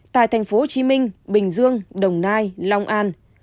tại thành phố hồ chí minh bình dương đồng nai long an